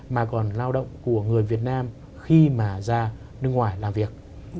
mà còn lao động của người việt nam khi mà ra nước ngoài làm việc